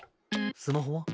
スマホは？